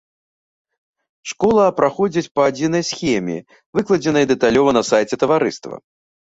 Школа праходзіць па адзінай схеме, выкладзенай дэталёва на сайце таварыства.